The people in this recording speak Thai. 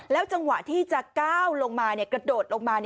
จังหวะที่จะก้าวลงมากระโดดลงมา